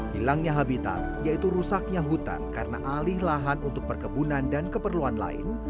hilangnya habitat yaitu rusaknya hutan karena alih lahan untuk perkebunan dan keperluan lain